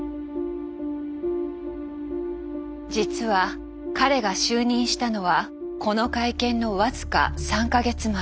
実は彼が就任したのはこの会見の僅か３か月前。